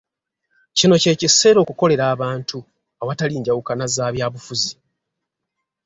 Kino ky’ekiseera okukolera abantu awatali njawukana z’abyabufuzi.